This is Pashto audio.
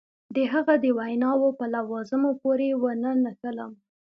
د هغه د ویناوو په لوازمو پورې ونه نښلم.